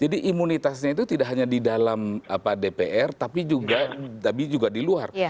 jadi imunitasnya itu tidak hanya di dalam dpr tapi juga di luar